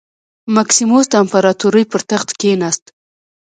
مکسیموس د امپراتورۍ پر تخت کېناست.